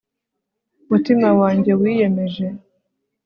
mutima wanjye wiyemeje